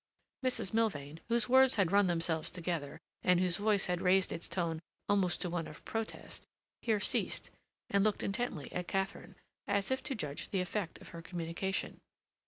Mrs. Milvain, whose words had run themselves together, and whose voice had raised its tone almost to one of protest, here ceased, and looked intently at Katharine, as if to judge the effect of her communication.